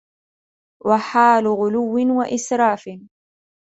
وَحَالُ غُلُوٍّ وَإِسْرَافٍ